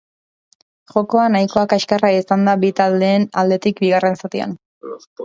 Jokoa nahiko kaskarra izan da bi taldeen aldetik bigarren zatian.